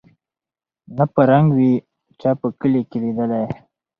نه په رنګ وې چا په کلي کي لیدلی